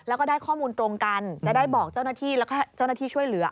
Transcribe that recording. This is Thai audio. แล้วก็ได้ข้อมูลตรงกันจะได้บอกเจ้าหน้าที่แล้วก็เจ้าหน้าที่ช่วยเหลือ